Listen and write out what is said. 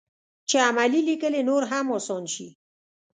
چې عملي لیکل یې نور هم اسان شي.